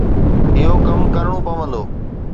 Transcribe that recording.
اهو ڪم ڪرڻو پوندو.